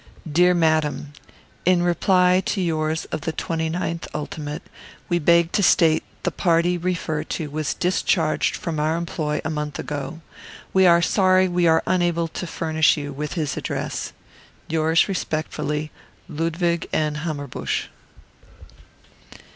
"DEAR MADAM, "In reply to yours of the 29th ult. we beg to state the party you refer to was discharged from our employ a month ago. We are sorry we are unable to furnish you wish his address. "Yours Respectfully, "LUDWIG AND HAMMERBUSCH."